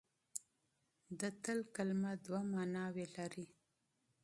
د تل کلمه دوه ماناوې لري.